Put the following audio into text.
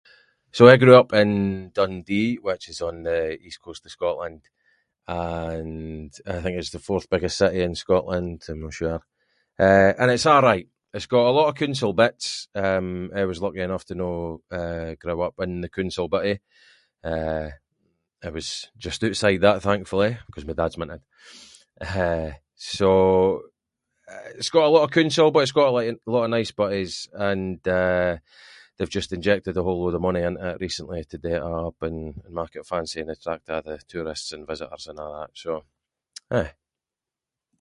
So I grew up in Dundee, which is on the east coast of Scotland, and I think it’s the fourth biggest city in Scotland, I’m no sure. Eh, and it’s a’right, it’s got a lot of cooncil bits, eh, I was lucky enough to no, eh, grow up in the cooncil bittie, eh it was just ootside that thankfully, ‘cause my dad’s minted, eh, so it’s got a lot of cooncil, but it’s got a lot of nice bitties, and eh, they’ve just injected a whole lot of money into it recently to do it up and mak it fancy and attract a’ the tourists and visitors and a’ that, so aye.